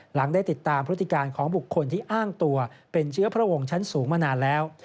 หลังได้ติดตามพฤติการของบุคคลที่อ้างตัวเป็นเชื้อพระวงชั้นสูงมานานแล้ว